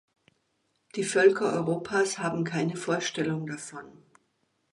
Die Völker Europas haben keine Vorstellung davon.